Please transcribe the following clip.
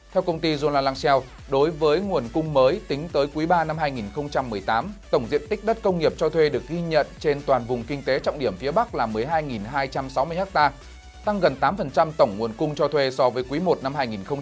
theo công ty zulalancel đối với nguồn cung mới tính tới quý ba năm hai nghìn một mươi tám tổng diện tích đất công nghiệp cho thuê được ghi nhận trên toàn vùng kinh tế trọng điểm phía bắc là một mươi hai hai trăm sáu mươi ha tăng gần tám tổng nguồn cung cho thuê so với quý i năm hai nghìn một mươi bảy